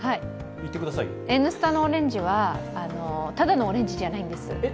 「Ｎスタ」のオレンジはただのオレンジじゃないんです。